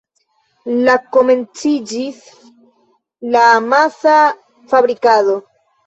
La komenciĝis la amasa fabrikado.